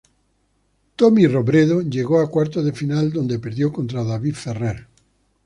Tommy Robredo llegó a cuartos de final donde perdió contra David Ferrer.